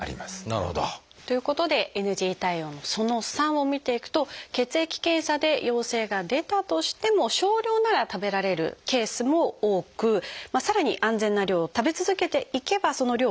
なるほど。ということでＮＧ対応のその３を見ていくと血液検査で陽性が出たとしても少量なら食べられるケースも多くさらに安全な量を食べ続けていけばその量を増やしていくこともできると。